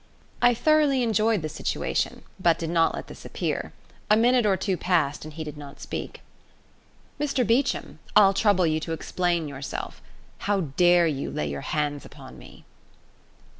I thoroughly enjoyed the situation, but did not let this appear. A minute or two passed and he did not speak. "Mr Beecham, I'll trouble you to explain yourself. How dare you lay your hands upon me?"